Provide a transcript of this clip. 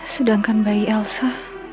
sedangkan bayi elsa